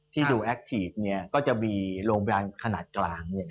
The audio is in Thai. ที่ดูแอคทีฟเนี่ยก็จะมีโรงพยาบาลขนาดกลางเนี่ย